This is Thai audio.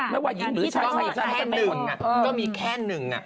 ไหมว่าหญิงหรือชายแค่นึงอะก็มีแค่หนึ่งอะ